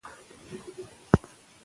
پروفیسور پیټریک مکګوري څېړنه کړې ده.